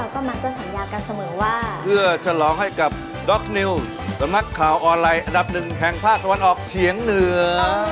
ข่าวออนไลน์อันดับหนึ่งแห่งภาคสวรรค์เฉียงเหนือ